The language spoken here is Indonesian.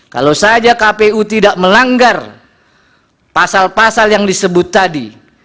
kalau saja kpu tidak melanggar pasal pasal yang disebut tadi